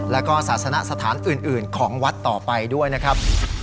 แล้วก็ศาสนสถานอื่นของวัดต่อไปด้วยนะครับ